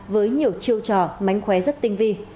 với nhiều chiêu trò mánh khóe rất tinh vi